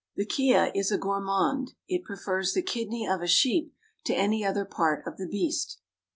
The kea is a gourmand. It prefers the kidney of a sheep to any other part of the beast.